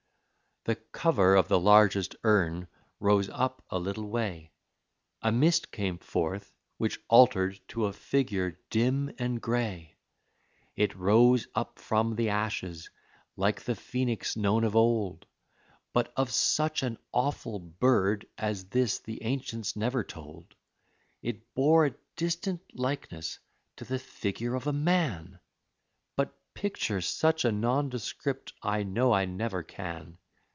The cover of the largest urn rose up a little way, A mist came forth, which altered to a figure dim and gray. It rose up from the ashes, like the Phenix known of old, But of such an awful bird as this the ancients never told. It bore a distant likeness to the figure of a man, But picture such a nondescript I know I never can.